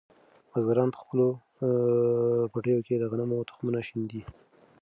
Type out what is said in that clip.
بزګران په خپلو پټیو کې د غنمو تخمونه شیندي.